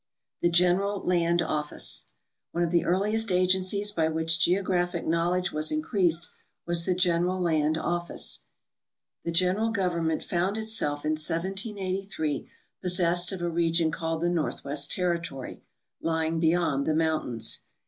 The General Land Office. — One of the earliest agencies b}'' which geographic knowledge was increased was the General Land Office. The general government found itself in 1783 possessed of a re gion called the Northwest Territory, lying beyond the mountains.